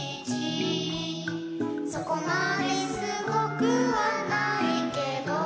「そこまですごくはないけど」